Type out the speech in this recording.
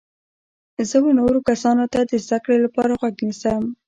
زه و نورو کسانو ته د زده کړي لپاره غوږ نیسم.